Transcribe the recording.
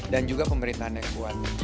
dan juga pemerintahan yang kuat